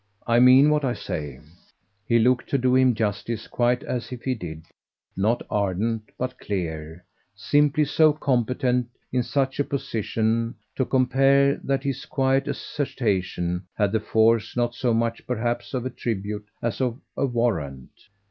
I mean what I say." He looked, to do him justice, quite as if he did; not ardent, but clear simply so competent, in such a position, to compare, that his quiet assertion had the force not so much perhaps of a tribute as of a warrant.